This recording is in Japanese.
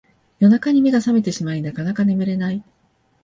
夜中に目が覚めてしまいなかなか眠れない